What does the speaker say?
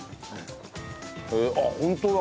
へえあっホントだ。